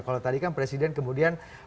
kalau tadi kan presiden kemudian